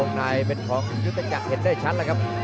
มวยเขาจอบกล่าวแบบนี้ครับ